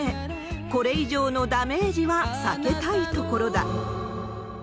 これ以上のダメージは避けたいところだ。